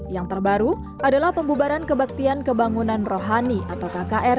yang terbaru adalah pembubaran kebaktian kebangunan rohani atau kkr